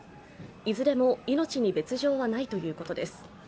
いずれも命に別状はないということです。